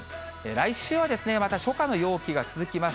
来週は、また初夏の陽気が続きます。